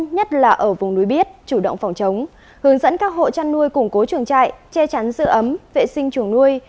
nhất là ở vùng núi biết chủ động phòng chống hướng dẫn các hộ chăn nuôi củng cố trường trại che chắn dự ấm vệ sinh trường nuôi